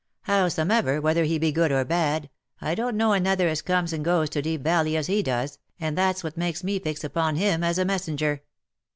Howsomever, whether he be good or bad, I don't know another as comes and goes to Deep Valley as he does, and that's what makes me fix upon him as a messenger."